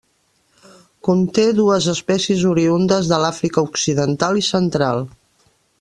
Conté dues espècies oriündes de l'Àfrica Occidental i Central.